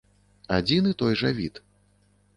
Адзін і той жа від.